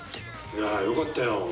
いやよかったよ。